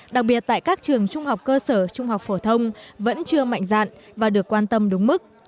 đặc biệt tại các trường trung học cơ sở trung học phổ thông vẫn chưa mạnh dạn và được quan tâm đúng mức